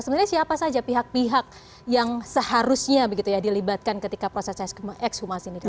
sebenarnya siapa saja pihak pihak yang seharusnya dilibatkan ketika proses ekshumasi ini dilakukan